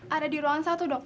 ada di ruangan satu dok